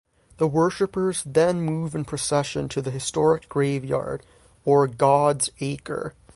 The worshipers then move in procession to the historic graveyard, or "God's Acre".